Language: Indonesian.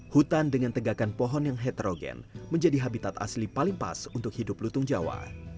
hutan dengan tegakan pohon yang heterogen menjadi habitat asli paling pas untuk hidup lutung jawa